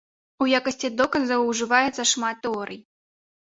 У якасці доказаў ужываецца шмат тэорый.